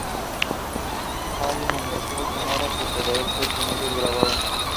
Harrison añadió: "Sonará como The Beatles si ellos la grabaran...